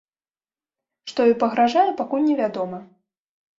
Што ёй пагражае, пакуль невядома.